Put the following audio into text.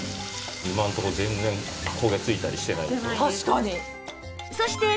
今のところ全然焦げついたりしてないでしょ？